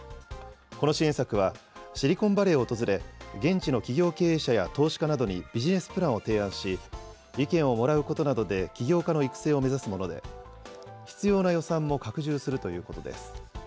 この支援策は、シリコンバレーを訪れ、現地の企業経営者や投資家などにビジネスプランを提案し、意見をもらうことなどで起業家の育成を目指すもので、必要な予算も拡充するということです。